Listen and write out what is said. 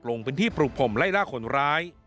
ลงพื้นที่ปลูกผมไล่ล่าคนร้าย